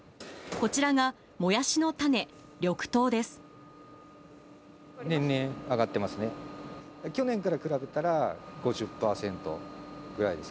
こちらがもやしの種、緑豆です。